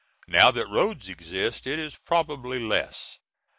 Now that roads exist it is probably less.